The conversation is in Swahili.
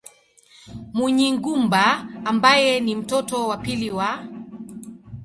Munyigumba ambaye ni mtoto wa pili wa